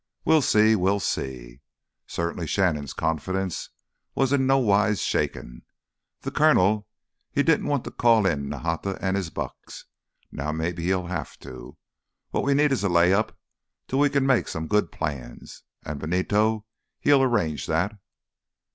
"We'll see, we'll see." Certainly Shannon's confidence was in nowise shaken. "Th' Colonel, he didn't want to call in Nahata an' his bucks—now maybe he'll have to. What we need is a lay up till we can make some good plans. An' Benito, he'll arrange that."